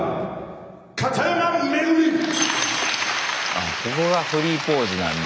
あここがフリーポーズなんだ。